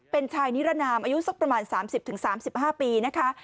เป็นชายนิรนามอายุสักประมาณ๓๐๓๕ปีนะคะ